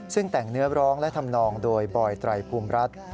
ซึ่งแต่งเนื้อร้องและทำนองโดยบอยไตรภูมิรัฐ